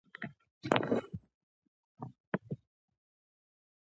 کروندګر د کښت په اړه نور خلک هم پوهوي